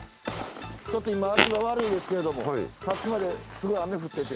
ちょっと今足場悪いですけれどもさっきまですごい雨降ってて。